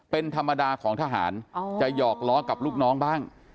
เป็นธรรมดาของทหารจะหยอกล้อกับลูกน้องบ้าง